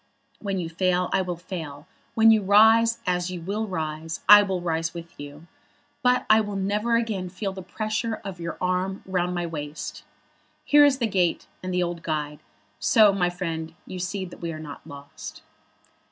When you fail I will fail. When you rise, as you will rise, I will rise with you. But I will never again feel the pressure of your arm round my waist. Here is the gate, and the old guide. So, my friend, you see that we are not lost."